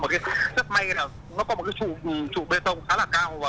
rất may là nó có một cái chùm bê tông khá là cao